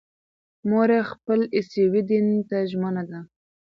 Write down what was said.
مور یې خپل عیسوي دین ته ژمنه ده.